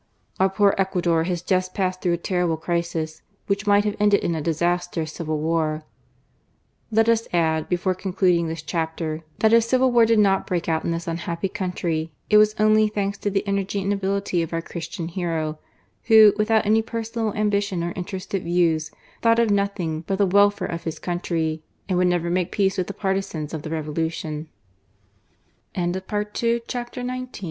Our poor Ecuador has just passed through a terrible crisis, which might have ended in a disastrous civil war." * Let us add, before concluding this chapter, that if civil war did not break out in this unhappy country, it was only thanks to the energy and ability of our Christian hero, who, without any personal ambition or interested views, thought of nothing but the welfare of his country, and would never make pe